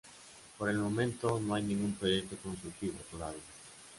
Por el momento, no hay ningún proyecto constructivo todavía.